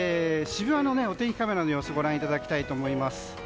渋谷のお天気カメラの様子ご覧いただきます。